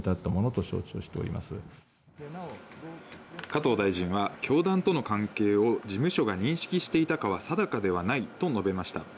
加藤大臣は教団との関係を、事務所が認識していたかは定かではないと述べました。